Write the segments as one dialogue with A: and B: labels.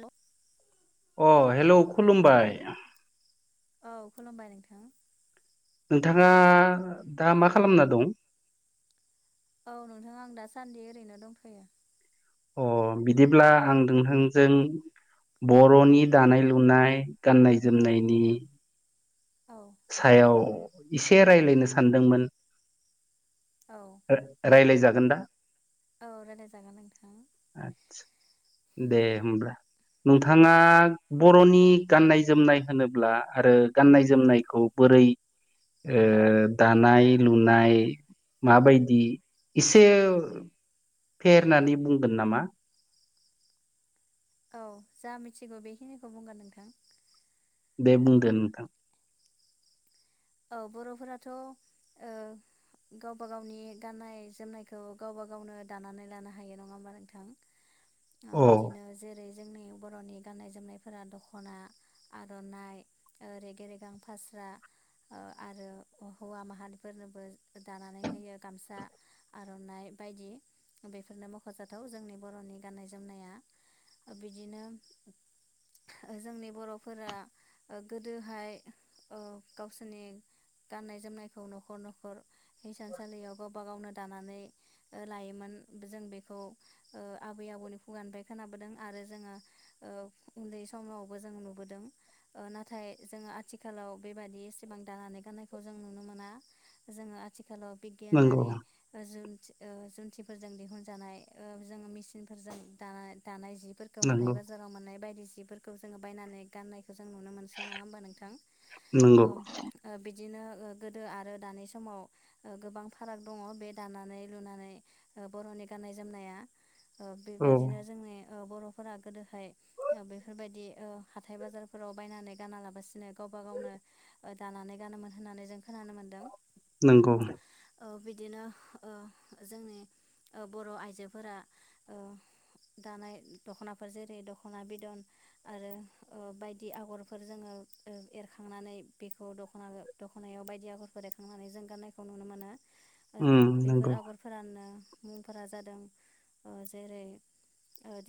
A: हेल'।
B: अ हेल' खुलुमबाय।
A: औ खुलुमबाय नोंथां।
B: नोंथाङा दा मा खालामना दं?
A: औ नोंथा आं दासान्दि ओरैनो दंथ'यो।
B: अ बिदिब्ला आं नोंथांजों बर'नि दानाय लुनाय गान्नाय
A: औ
B: जोमनायनि
A: औ
B: सायाव एसे रायलायनो सानदोंमोन।
A: औ
B: ओ रायलायजागोन दा
A: औ रालायजागोन नोंथां।
B: आतसा दे होमब्ला। नोंथाङा बर'नि गाननाय जोमनाय होनोब्ला आरो गाननाय
A: औ
B: जोमनायखौ बोरै ओ दानाय लुनाय माबायदि एसे फेर होननानै बुंगोन नामा
A: औ जा मिथिगौ बेखिनिखौ बुंगोन नोंथां
B: बे बुंग्रो नोंथां
A: औ बर'फोराथ' ओ गावबा गावनि गाननाय जोमनायखौ गावबा गावनो दानानै लानो हायो नङा होमबा नोंथां
B: अ
A: बिदिनो जेरै जोंनि बर'नि गाननाय जोमनायफोरा दख'ना आर'नाइ रेगे रेगां फास्रा
B: [inaudible]
A: आरो हौवा माहारिफोरनोबो दानानै होयो गामसा आर'नाइ बायदि बेफोरनो मख'जाथाव जोंनि बर'नि गाननाय जोमनाया। आरो बिदिनो जोंनि बर'फोरा गोदोहाय ओ गावसोरनि गाननाय जोमनायखौ न'खर न'खर हसानसालियाव गावबा गावनो दानानै लायोमोन जों बेखौ ओ आबै आबौनि फुगानिफ्राय खोनाबोदों आरो जोङो ओ उन्दै समावबो जों नुबोदों नाथाय जोङो आथिखालाव बेबादि सिबां दानानै गाननायखौ जों नुनो मोना जोङो आथिखालाव
B: नंगौ
A: बिगियानारि जु जुन्थिफोरजों दिहुनजानाय जों मेसिनफोरजों दानाय दानाय जि फोरखौ हाथाय
B: नंगौ
A: बाजाराव मोननाय बायदि सिफोरखौ जोङो बायनानै गनाय खौ जों नुनो मोनसै नङा होमबा नोंथां
B: नंगौ
A: औ बिदिनो गोदो आरो दानि समाव गोबां फाराग दङ बे दानानै लुनानै बर'नि गाननाय जोमनाया
B: औ
A: बेबायदिनो जोंनि बर'फोरा गोदोहाय बेफोरबायदि हाथाय बाजारफोराव बायनानै गाना लाबसिनो गाव गावबा गावनो दानानै गानोमोन होननानै जों खोनानो मोनदों
B: नंगौ
A: बिदिनो जोंनि बर' आइजोफोरा दानाय दख'नाफोर जेरै दख'ना बिदन आरो बायदि आगरफोर जोङो एरखांनानै बेखौ दख'ना दख'नायाव बायदि आगरफोर देखांनानै जों गान्नायखौ नुनो मोनो।
B: उम
A: बेफोर
B: नंगौ
A: आगरफोरानो मुंफोरा जादों जेरै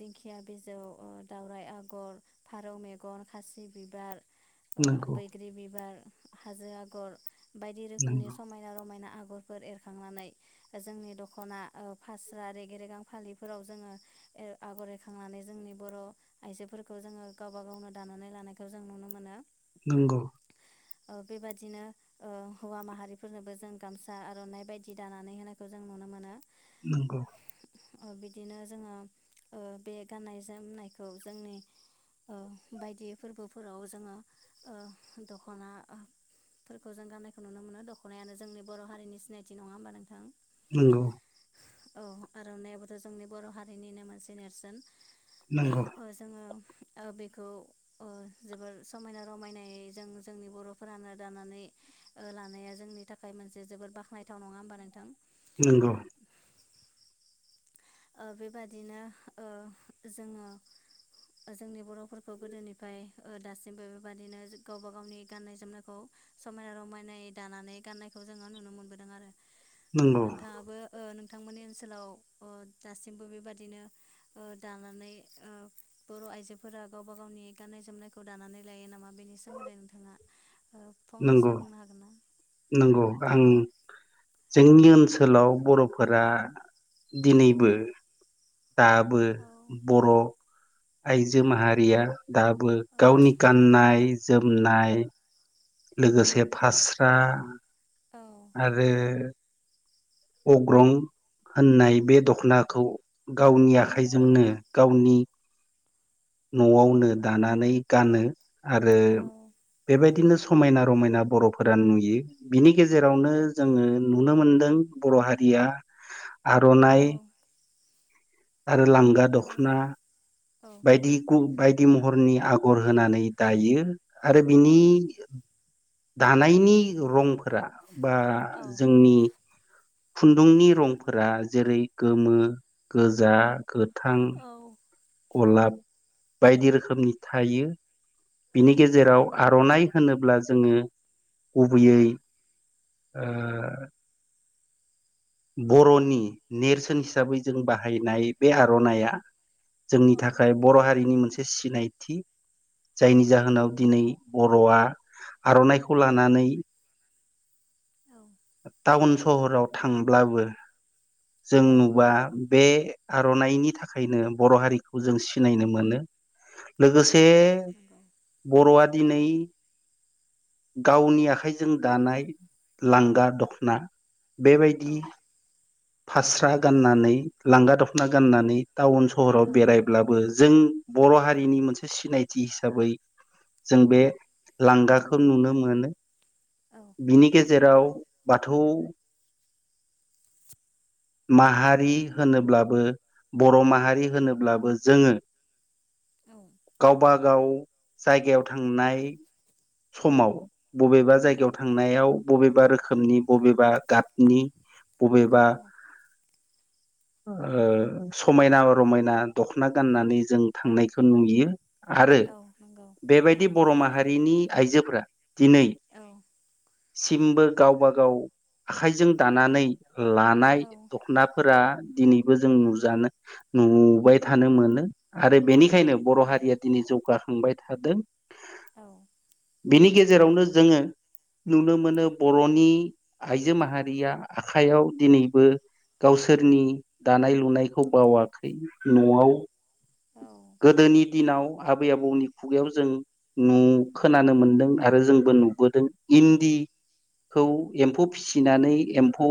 A: दिंखिया बिजौ दावराइ आगर फारौ मेगन खासि बिबार
B: नंगौ
A: बैग्रि बिबार हाजो आगर बायदि रोखोमनि
B: नंगौ
A: समायना रमायना आगर आगरफोर एरखांनानै जोंनि दख'ना फास्रा रेगे रेगां फालिफोराव जोङो आगर एखांनानै जोंनि बर' आइजोफोरखौ जोङो गावबा गावनो दानानै लानायखौ जों नुनो मोनो
B: नंगौ
A: बेबादिनो हौवा माहारिफोरनोबो जों गामसा आर'नाय बायदि दानानै होनायखौ जों नुनो मोनो
B: नंगौ
A: बिदिनो जोङो बे गाननाय जोमनायखौ जोंनि बायदि फोरबोफोराव जोङो दख'ना फोरखौ जों गाननायखौ नुनो मोनो दख'नायानो जोंनि बर' हारिनि सिनायथि नङा होमबा नोंथां
B: नंगौ
A: औ आर'नायाबोथ' जोंनि बर' हारिनिनो मोनसे नेर्सोन
B: नंगौ
A: जोङो बेखौ जोबोर समायना रमायनायै जों जोंनि बरफोरानो दानानै ओ-लानाया जोंनि थाखाय मोनसे जोबोद बाख्नायथाव नङा होमबा नोंथां।
B: नंगौ।
A: ओ-बेबादिनो ओ-जोङो। जोंनि बरफोरखौ गोदोनिफ्राय दासिमबो बेबादिनो गावबा गावनि गाननाय जोमनायखौ। समायना रमायनायै दानानै गाननायखौ जोङो नुनो मोनबोदों आरो।
B: नंगौ
A: नोंथाङाबो नोंथांमोननि ओनसोलाव-ओ दासिमबो बेबादिनो ओ-दानानै ओ-बर आइजोफोरा गावबा गावनि ग जोमनायखौ दनानै लायो नामा बेनि सोमोन्दै नोंथाङा। ओ फंनैसो
B: नंगौ
A: बुंनो हागोन ना?
B: नंगौ आं जोंनि ओनसोलाव बरफोरा
A: औ
B: दिनैबो दाबो
A: औ
B: बर आइजो माहारिया दाबो
A: औ
B: गावनि गाननाय जोमनाय लोगोसे फास्रा
A: औ
B: आरो अग्रं होननाय बे दखनाखौ गावनि
A: औ
B: आखाइजोंनो। गावनि नआवनो दानानै गानो आरो बेबायदिनो समायना रमायना बरफोरा नुयो बिनि गेजेरावनो जोङो नुनो मोनदों बर हारिया आरननाइ
A: औ
B: - आरो लांगा
A: औ
B: दखना बायदि बाय दि महरनि आगर होनानै दायो आरो
A: औ
B: बिनि दानायनि रंफोरा बा
A: औ
B: जोंनि खुन्दुंनि रंफोरा जेरै गोमो गोजा गोथां गलाब बायदि रोखोमनि थायो बिनि गेजेराव आरनाइ होनोब्ला जोङो गुबैयै। ओ बरनि नेरसोन हिसाबै जों बाहायनाय बे आरनाइया जोंनि थाखाय बर हारिनि मोनसे सिनायथि जायनि जाहोनाव दिनै बरआ आरनाइखौ लानानै टाउन सहराव थांब्लाबो जों नुबा बे आरनाइनि थाखायनो बर हारिखौ जों सिनायनो मोनो। लोगोसे
A: नंगौ
B: बरआ दिनै गावनि आखाइजों दानाय लांगा दखना बेबायदि फास्रा गाननानै लांगा दखना गाननानै टाउन सहराव
A: औ
B: बेरायब्लाबो जों बर हारिनि मोनसे सिनायथि हिसाबै जों
A: औ
B: बे लांगाखौ नुनो मोनो।
A: औ
B: बिनि गेजेराव बाथौ माहारि होनोब्लाबो बर माहारि होनोब्लाबो जोङो
A: औ
B: [inaudible] गावबागाव जायगायाव थांनाय समाव बबेबा जायगायाव थांनायाव बबेबा रोखोमनि बबेबा गाब नि बबेबा
A: औ
B: [inaudible] ओ समायना रमायना दखना गाननानै जों थांनायखौ नुयो। आरो
A: औ नंगौ औ
B: बेबायदि बर माहारिनि आइजोफोरा दिनै
A: औ
B: सिमबो गावब गाव आखाइजों दानानै लाना -
A: औ
B: दखनाफोरा दिनैबो जों नुजानो नुबाय थानो मोनो। आरो
A: औ
B: बेनिखायनो बर
A: नंगौ
B: हारिया दिनै जौगाखांबाय थादों।
A: औ।
B: बिनि गेजेरावनो जोङो नुनो मोनो बर'नि आइजो माहारिया आखाइयाव दिनैबो गावसोरनि दानाय- लुनायखौ बावाखै न'आव
A: औ नंगौ औ
B: गोदोनि दिनाव आबै -आबौनि खुगायाव जों नु खोनानो मोनदों आरो जोंबो नुबोदों इन्दि खौ एम्फौ फिसिनानै एम्फौ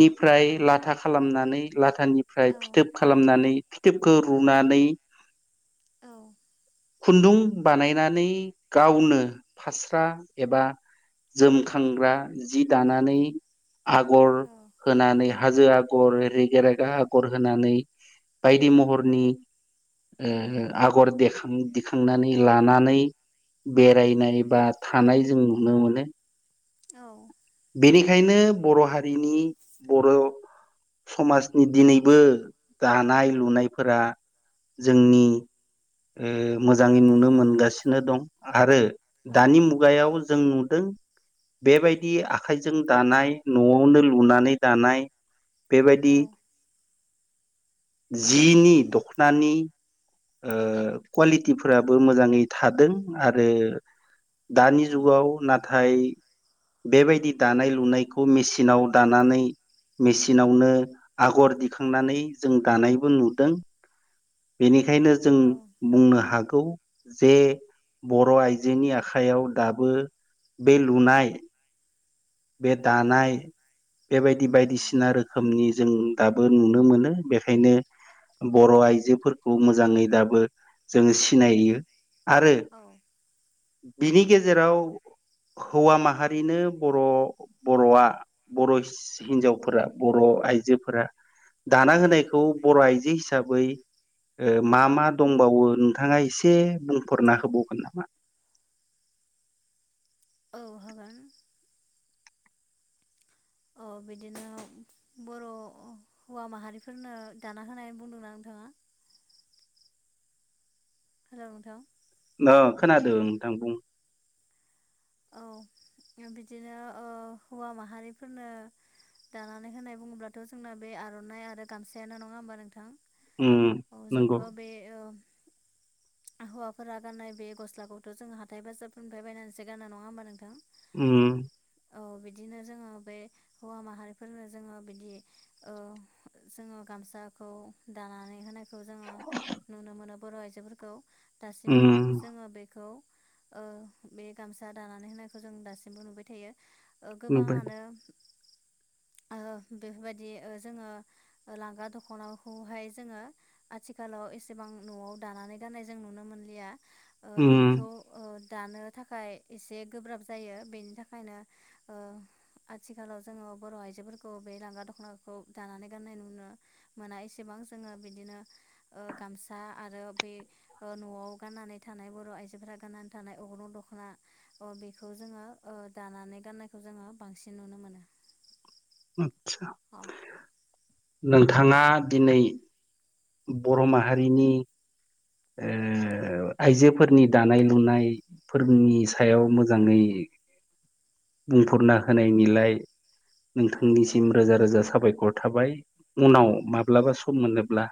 B: निफ्राय लाथा खालामनानै लाथानिफ्राय फिथोब खालामनानै फिथोबखो रुनानै खुन्दुं बानायनानै गावनो फास्रा एबा जोमखांग्रा जि दानानै आगर
A: औ
B: नानै हाजो आगर रेगेरेगा आगर होनानै बायदि महरनि ओ [unintelligible] आगर देखां दिखांनानै लानानै बेरायनाय बा थानाय जों नुनो मोनो। इनिखायनो बर' हारिनि बर' समाजनि दिनैबो दानाय लुनायफोरा जोंनि ओ मोजाङै नुनो मोनगासिनो दं आरो दानि मुगायाव जों नुदों बेबायदि आखाइजों दानाय न'आवनो लुनानै दानाय बेबायदि जिनि दख'नानि ओ कुवालिटिफोराबो मोजाङै थादों आरो दानि जुगाव नाथाय बेबायदि दानाय लुनायखौ मेसिनाव दानानै मेसिनावनो आगर दिखांनानै जों दानायबो नुदों बेनिखायनो जों बुंनो हागौ जे बर' आइजोनि आखाइयाव दाबो बे लुनाय बे दानाय बेबायदि बायदिसिना रोखोमनि ज जों दाबो नुनो मोनो बेखायनो बर' आइजोफोरखौ मोजाङै दाबो जोङो सिनायो आरो
A: औ
B: बिनि गेजेराव हौवा माहारिनो बर' बर'आ बर' हिस हिनजावफोरा बर' आइजोफोरा
A: औ
B: दाना होनायखौ बर' आइजो हिसाबै ओ मा मा दंबावो नोंथाङा एसे बुंफोरना होबावगोन नामा? [unintelligible]
A: औ हागोन
B: [unintelligible]
A: बिदिनो बर' हौवा माहारिफोरनो दाना होनाय बुंदोंना नोंथाङा
B: [unintelligible]
A: हेलौ नोंथा
B: ओ खोनादो नोंथां बुं
A: औ ओ बिदिनो ओ हौवा माहारिफोरनो दानानै होनाय बुङोब्लाथ' जोंना बे आर'नाइ आरो गामसायानो नङा होमबा नोंथां?
B: उम
A: औ
B: नंगौ
A: जोंथ' बे अ आ हौवाफोरा गाननाय बे गस्लाखौथ' जों हाथाय बाजारफोरनिफ्राय बायनानैसो गानो नङा होमबा नोंथां
B: उम
A: औ बिदिनो जोङो बे हौवा माहारिफोरनो जोङो बिदि ओ जोङो गा गामसाखौ दानानै होनाय खौ जोङो नुनो मोनो बर' आइजोफोरखौ दासिमबो
B: उम
A: जोङो बेखौ ओ बे गामसा दानानै होनायखौ जों दासिमबो नुबाय थायो। ओ
B: नुबाय
A: गोबाङानो ओ बेफोरबादि जोङो लांगा दख'नाखौहाय जोङो आथिखाल आव एसेबां न'आव दानानै गाननाय जों नुनो मोनलिया ओ
B: उम
A: बिखौ ओ दानो थाखाय एसे गोब्राब जायो बेनि थाखायनो ओ आथिखालाव जोङो बर' आइ जोफोरखौ बे लांगा दख'नाखौ दानानै गाननाय नुनो मोना एसेबां जोङो बिदिनो ओ गामसा आरो बे ओ न'आव गाननानै थानाय बर' आइजोफोरा गाननानै थानाय अग्रं दख' ना अ बेखौ जोङो ओ दानानै गाननायखौ जोङो बांसिन नुनो मोनो।
B: आथ्सा
A: औ
B: नोंथाङा दिनै बर' माहारिनि ओ आइजोफोरनि दानाय लुनायफोर नि सायाव
A: औ
B: मोजाङै बुंफुरना होनायनिलाय
A: औ
B: नोंथांनिसिम रोजा रोजा साबायखर थाबाय उनाव माब्लाबा सम मोनोब्ला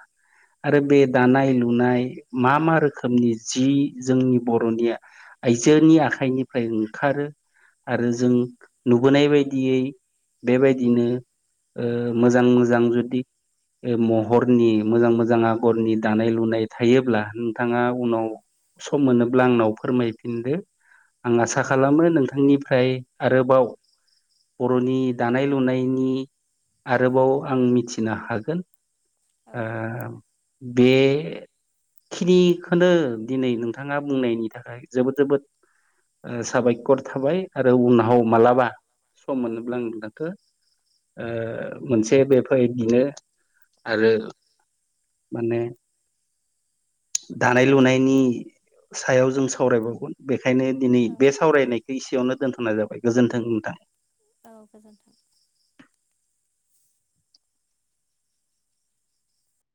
A: औ
B: आरो बे दानाय लु नाय मा मा रोखोमनि जि जोंनि बर'नि आइजोनि आखाइनिफ्राय ओंखारो आरो
A: औ
B: जों नु बोनाय बायदियै बेबायदिनो ओ मोजां मोजां जुदि ओ महरनि मोजां मोजां आगरनि दानाय लुनाय थायोब्ला नोंथाङा
A: औ
B: उनाव सम मोनोब्ला आंनाव फोरमायफिनदो आं आसा
A: औ
B: खालामो नोंथांनिफ्राय आरोबाव बर'नि दानाय लुनायनि आरोबाव आं मिथिनो हागोन
A: औ
B: ओ बे ख्रिखौनो दिनै नोंथाङा बुंनायनि थाखाय जोबोद जोबोद ओ साबायखर थाबाय आरो उनहाव मालाबा सम मोनोब्ला नोंथांखो ओ मोनसे बेफायदिनो आरो माने दानाय लुनायनि सायाव जों सावरायबावगोन बे खायनो दिनै
A: औ
B: बे सावरायनायखौ इसेयावनो दोनथ'नाय जाबाय गोजोन्थों नोंथां।
A: औ गोजोन्थों।